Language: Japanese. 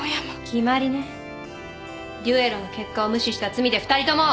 決闘の結果を無視した罪で２人とも。